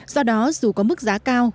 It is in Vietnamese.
do đó dù có mức giá cao